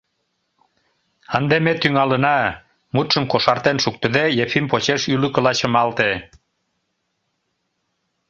— Ынде ме тӱҥалына... — мутшым кошартен шуктыде, Ефим почеш ӱлыкыла чымалте.